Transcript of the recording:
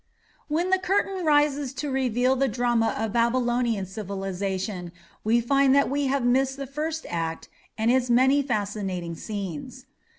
When the curtain rises to reveal the drama of Babylonian civilization we find that we have missed the first act and its many fascinating scenes.